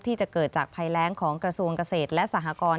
ที่จะเกิดจากภัยแรงของกระทรวงเกษตรและสหกร